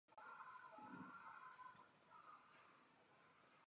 Proto musíme zajít dále, než nám diktují současné naléhavé situace.